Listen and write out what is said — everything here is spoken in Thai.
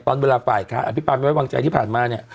ตอนเวลาฝ่ายค้าอภิปราณวัยวังใจที่ผ่านมาเนี่ย